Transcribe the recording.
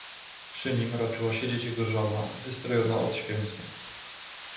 "Przy nim raczyła siedzieć jego żona, wystrojona odświętnie."